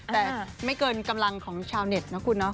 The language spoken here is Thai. แต่ไม่เกินกำลังของชาวเน็ตนะคุณเนาะ